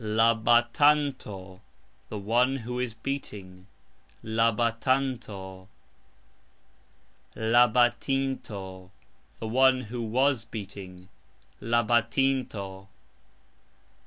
La batanto ...... The one who is beating. La batinto ...... The one who was beating. La batonto